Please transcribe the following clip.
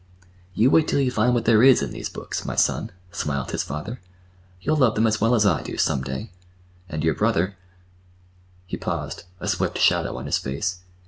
"You wait till you find what there is in these books, my son," smiled his father. "You'll love them as well as I do, some day. And your brother—" He paused, a swift shadow on his face.